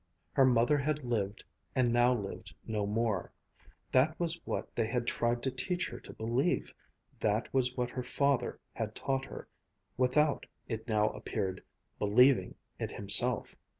Her mother had lived, and now lived no more. That was what they had tried to teach her to believe. That was what her father had taught her without, it now appeared, believing it himself.